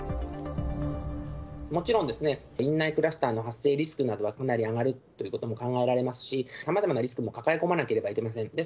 もちろん院内クラスターの発生リスクなどはかなり上がるということも考えられますし、さまざまなリスクも抱え込まなければいけません。